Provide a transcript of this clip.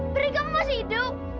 peri kamu masih hidup